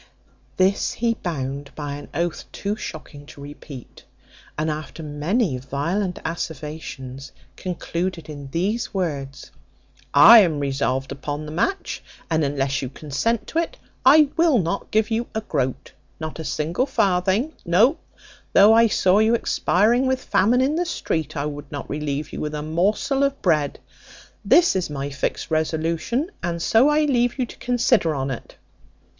This he bound by an oath too shocking to repeat; and after many violent asseverations, concluded in these words: "I am resolved upon the match, and unless you consent to it I will not give you a groat, not a single farthing; no, though I saw you expiring with famine in the street, I would not relieve you with a morsel of bread. This is my fixed resolution, and so I leave you to consider on it."